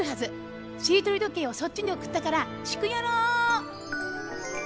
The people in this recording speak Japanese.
しりとりどけいをそっちにおくったからシクヨロ！